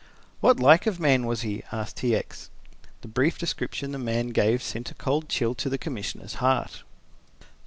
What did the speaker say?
"What like of man was he?" asked T. X. The brief description the man gave sent a cold chill to the Commissioner's heart.